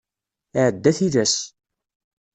Iɛedda tilas.